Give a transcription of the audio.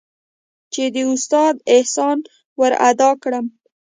چې د استاد احسان ورادا كړم.